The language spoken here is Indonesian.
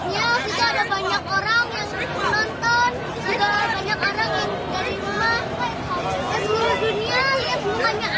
juga banyak orang yang dari rumah dari seluruh dunia lihat rungannya aku